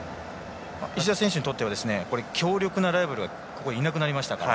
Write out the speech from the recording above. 石田選手にとっては強力なライバルがいなくなりましたから。